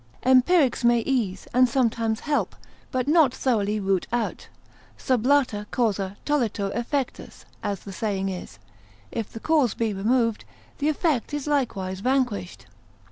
Empirics may ease, and sometimes help, but not thoroughly root out; sublata causa tollitur effectus as the saying is, if the cause be removed, the effect is likewise vanquished.